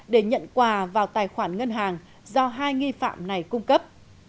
để nhận quà vào tài khoản ngân hàng do hai nghi phạm này cung cấp